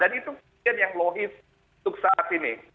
dan itu kebijakan yang lohis untuk saat ini